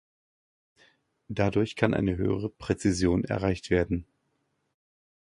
Dadurch kann eine höhere Präzision erreicht werden.